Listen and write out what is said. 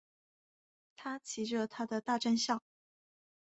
他骑着他的大战象。